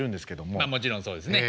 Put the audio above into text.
もちろんそうですね。